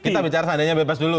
kita bicara seandainya bebas dulu